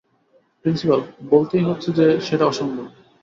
Principal, বলতেই হচ্ছে যে সেটা অসম্ভব।